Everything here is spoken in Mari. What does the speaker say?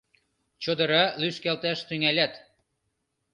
Чодыра лӱшкалташ тӱҥалят.